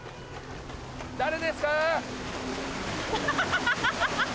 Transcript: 誰ですか？